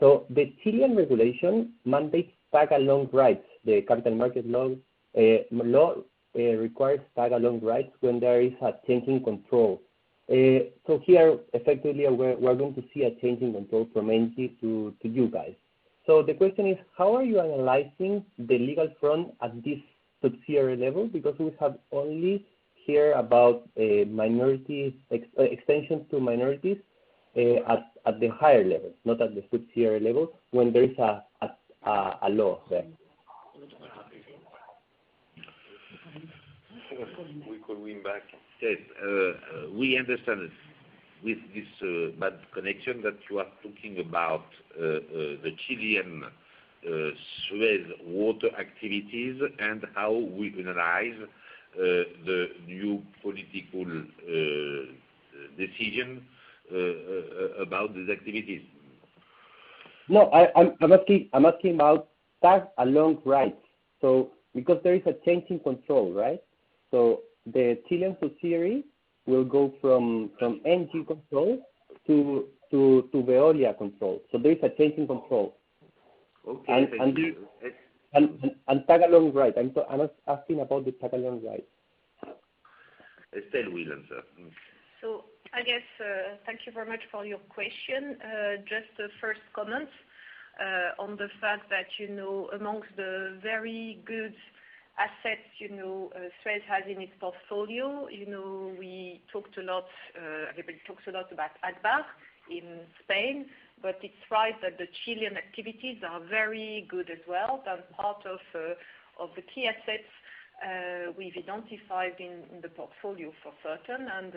The Chilean regulation mandates tag-along rights. The Securities Market Law requires tag-along rights when there is a change in control. Here, effectively, we are going to see a change in control from Engie to you guys. The question is, how are you analyzing the legal front at this subsidiary level? Because we have only heard about extension to minorities at the higher level, not at the subsidiary level when there is a law there. We call him back. Yes. We understand with this bad connection that you are talking about the Chilean Suez water activities and how we analyze the new political decision about these activities. I'm asking about tag-along rights. Because there is a change in control, right? The Chilean subsidiary will go from Engie control to Veolia control. There is a change in control. Okay, thank you. Tag-along rights, I'm asking about the tag-along rights. Estelle will answer. Thank you very much for your question. Just a first comment on the fact that amongst the very good assets Suez has in its portfolio, everybody talks a lot about Agbar in Spain, but it's right that the Chilean activities are very good as well. That's part of the key assets we've identified in the portfolio for certain, and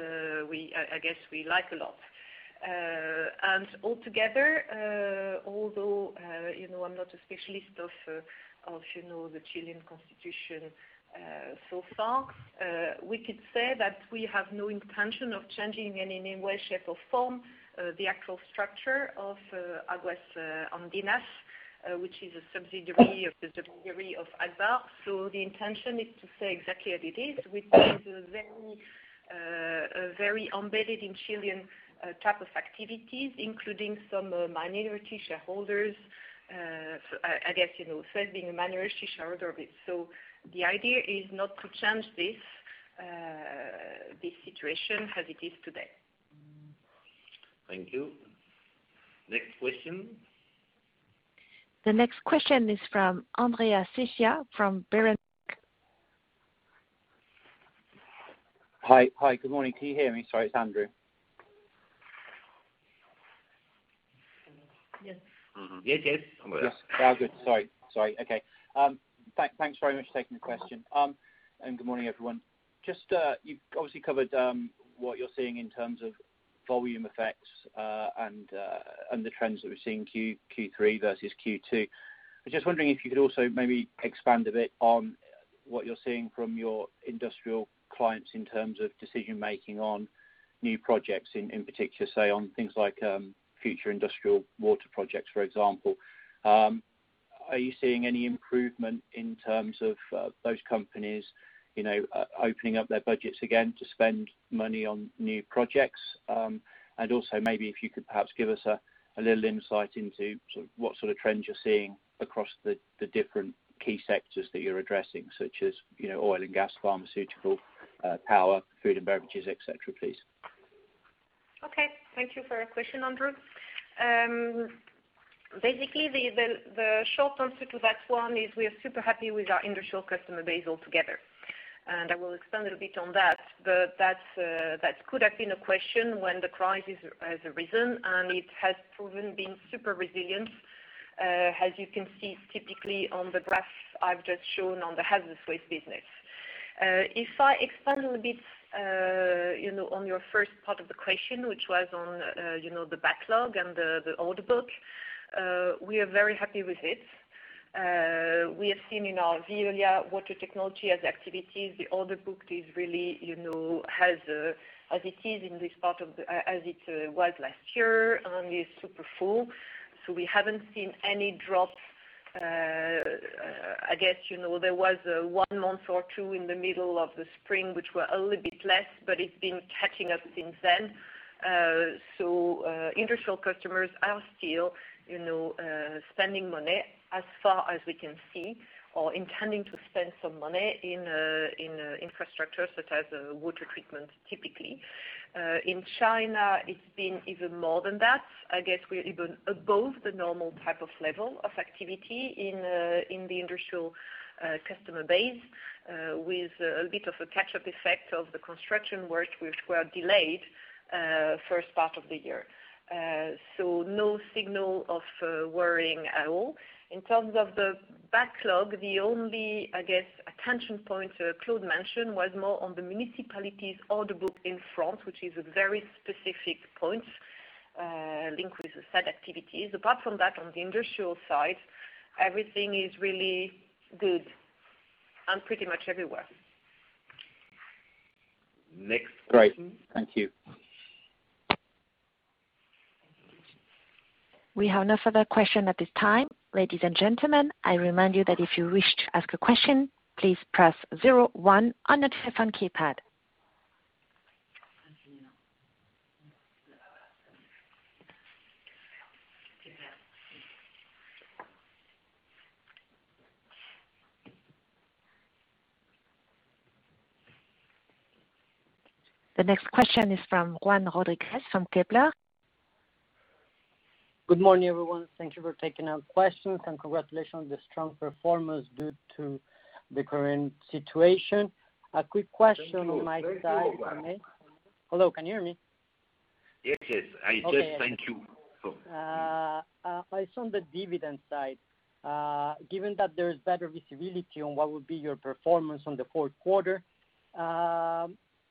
I guess we like a lot. Altogether, although I'm not a specialist of the Chilean constitution so far, we could say that we have no intention of changing in any way, shape, or form the actual structure of Aguas Andinas, which is a subsidiary of a subsidiary of Agbar. The intention is to stay exactly as it is, which is a very embedded in Chilean type of activities, including some minority shareholders. Suez being a minority shareholder of it. The idea is not to change this situation as it is today. Thank you. Next question. The next question is from Andrew Secchia from Berenberg. Hi. Good morning. Can you hear me? Sorry, it's Andrew. Yes. Yes. Oh, good. Sorry. Okay. Thanks very much for taking the question. Good morning, everyone. Just, you've obviously covered what you're seeing in terms of volume effects and the trends that we're seeing Q3 versus Q2. I'm just wondering if you could also maybe expand a bit on what you're seeing from your industrial clients in terms of decision making on new projects, in particular, say, on things like future industrial water projects, for example. Are you seeing any improvement in terms of those companies opening up their budgets again to spend money on new projects? Also maybe if you could perhaps give us a little insight into what sort of trends you're seeing across the different key sectors that you're addressing, such as oil and gas, pharmaceutical, power, food and beverages, et cetera, please. Thank you for your question, Andrew. The short answer to that one is we are super happy with our industrial customer base altogether. I will expand a little bit on that could have been a question when the crisis has arisen, it has proven being super resilient, as you can see typically on the graph I've just shown on the hazardous waste business. If I expand a little bit on your first part of the question, which was on the backlog and the order book, we are very happy with it. We have seen in our Veolia Water Technologies activities, the order book is really as it was last year, is super full. We haven't seen any drops. There was one month or two in the middle of the spring which were a little bit less, but it's been catching up since then. Industrial customers are still spending money as far as we can see, or intending to spend some money in infrastructure, such as water treatment, typically. In China, it's been even more than that. I guess we're even above the normal type of level of activity in the industrial customer base, with a bit of a catch-up effect of the construction work which were delayed first part of the year. No signal of worrying at all. In terms of the backlog, the only attention point Claude mentioned was more on the municipalities order book in France, which is a very specific point linked with the said activities. Apart from that, on the industrial side, everything is really good, and pretty much everywhere. Next question. Great. Thank you. We have no further question at this time. Ladies and gentlemen l remind you that if you wish to ask a question please press zero one on your telephone keypad. (inaudible) The next question is from Juan Rodriguez from Kepler. Good morning, everyone. Thank you for taking our questions, and congratulations on the strong performance due to the current situation. A quick question on my side. Thank you. Hello, can you hear me? Yes. I just thank you. Okay. It's on the dividend side. Given that there's better visibility on what would be your performance on the fourth quarter,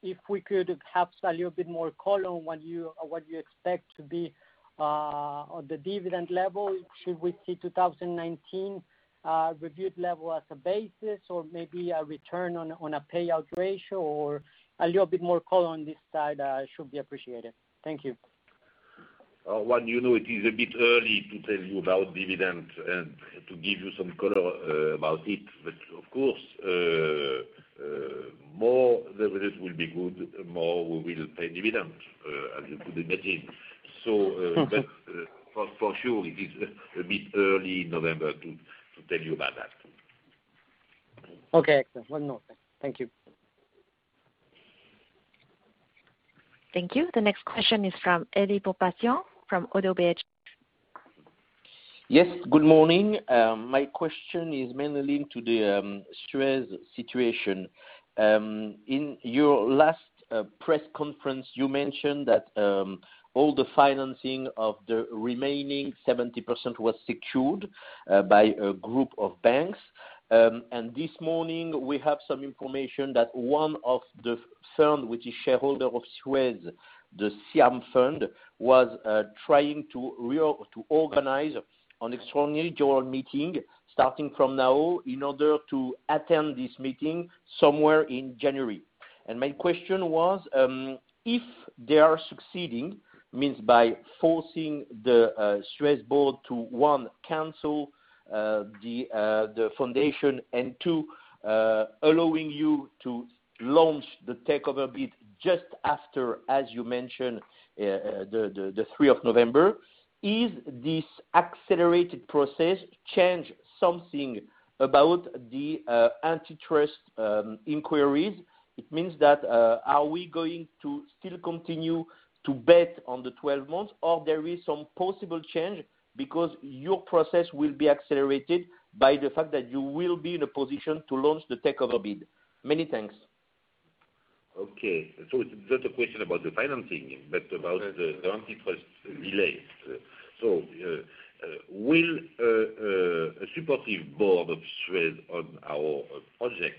if we could have a little bit more color on what you expect to be on the dividend level. Should we see 2019 reviewed level as a basis or maybe a return on a payout ratio, or a little bit more color on this side should be appreciated. Thank you. Juan, it is a bit early to tell you about dividend and to give you some color about it. Of course, more the business will be good, more we will pay dividend, as you could imagine. That's for sure. It is a bit early November to tell you about that. Okay, excellent. One more thing. Thank you. Thank you. The next question is from Philippe Ourpatian from ODDO BHF. Yes, good morning. My question is mainly linked to the Suez situation. In your last press conference, you mentioned that all the financing of the remaining 70% was secured by a group of banks. This morning, we have some information that one of the firms, which is shareholder of Suez, the CIAM Fund, was trying to organize an extraordinary general meeting starting from now in order to attend this meeting somewhere in January. My question was, if they are succeeding, means by forcing the Suez board to, one, cancel the foundation and two, allowing you to launch the takeover bid just after, as you mentioned, the 3rd of November, is this accelerated process change something about the antitrust inquiries? It means that are we going to still continue to bet on the 12 months, or there is some possible change because your process will be accelerated by the fact that you will be in a position to launch the takeover bid? Many thanks. Okay. It's not a question about the financing, but about the antitrust delay. With a supportive board of Suez on our project,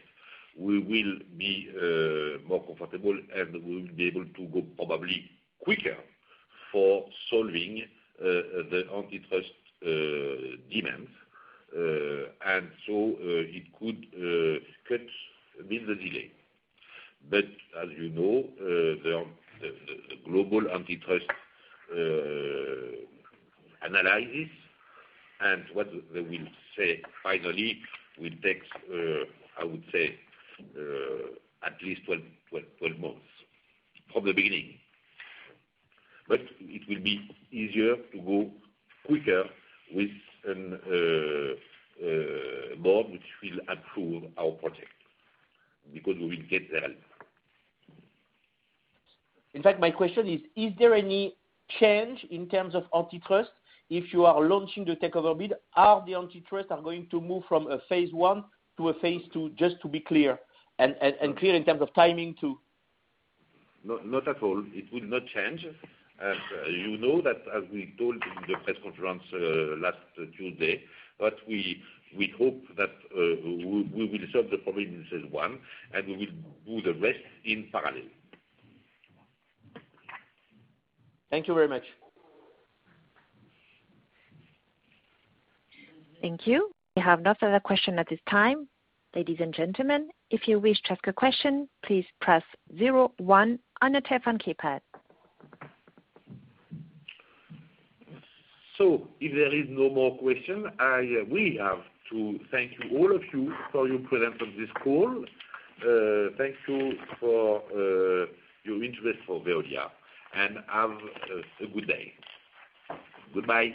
we will be more comfortable, and we will be able to go probably quicker for solving the antitrust demands. It could cut a bit the delay. As you know, the global antitrust analysis and what they will say finally will take, I would say, at least 12 months from the beginning. It will be easier to go quicker with a board which will approve our project because we will get their help. In fact, my question is there any change in terms of antitrust if you are launching the takeover bid? Are the antitrust going to move from a phase one to a phase two, just to be clear? Clear in terms of timing too. Not at all. It will not change. As you know that, as we told in the press conference last Tuesday, that we hope that we will solve the problem in phase one, and we will do the rest in parallel. Thank you very much. Thank you. We have no further question at this time. Ladies and gentlemen, if you wish to ask a question, please press zero one on your telephone keypad. If there is no more question, we have to thank all of you for your presence on this call. Thank you for your interest for Veolia, and have a good day. Goodbye.